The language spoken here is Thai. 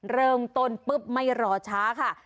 เริ่มต้นปุ๊บไม่รอช้าค่ะ